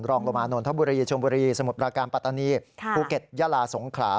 รองลงมานนทบุรีชมบุรีสมุทรปราการปัตตานีภูเก็ตยาลาสงขลา